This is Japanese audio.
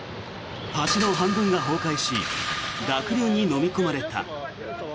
橋の半分が崩壊し濁流にのみ込まれた。